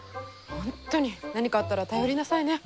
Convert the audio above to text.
本当に何かあったら頼りなさいね。